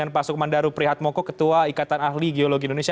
pasukman daru prihat moko ketua ikatan ahli geologi indonesia